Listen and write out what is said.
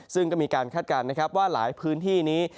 ซึ่งก็มีการคาดการณ์นะครับว่าหลายพื้นที่นี้